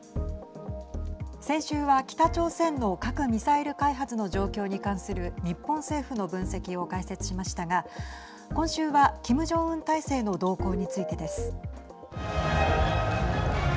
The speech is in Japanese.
先週は北朝鮮の核・ミサイル開発の状況に関する日本政府の分析を解説しましたが今週はキム・ジョンウン体制の動向についてです。